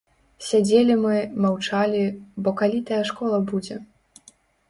Сядзелі мы, маўчалі, бо калі тая школа будзе.